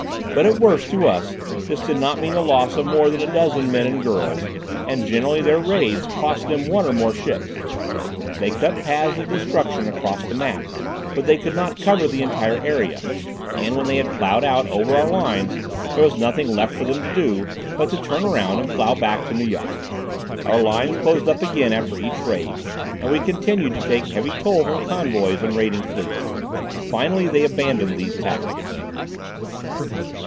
But at worst, to us, this did not mean the loss of more than a dozen men and girls, and generally their raids cost them one or more ships. They cut paths of destruction across the map, but they could not cover the entire area, and when they had ploughed out over our lines, there was nothing left for them to do but to turn around and plough back to Nu Yok. Our lines closed up again after each raid, and we continued to take heavy toll from convoys and raiding fleets. Finally they abandoned these tactics.